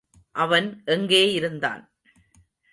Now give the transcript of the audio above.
அவன் எங்கே இருந்தான்?